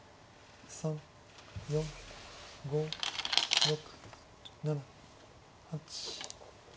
３４５６７８。